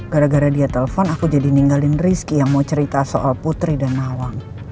gara gara dia telpon aku jadi ninggalin rizky yang mau cerita soal putri dan mawang